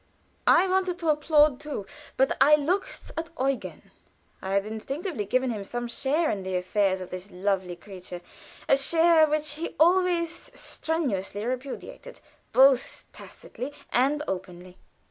I wanted to applaud too, but I looked at Eugen. I had instinctively given him some share in the affairs of this lovely creature a share, which he always strenuously repudiated, both tacitly and openly.